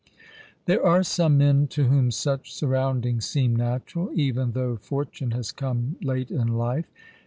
There are some men to whom such surroundings seem natural, even though fortune has come late in life.